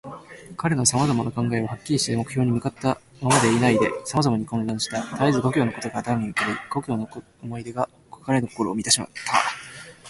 彼のさまざまな考えは、はっきりした目標に向ったままでいないで、さまざまに混乱した。たえず故郷のことが頭に浮かび、故郷の思い出が彼の心をみたした。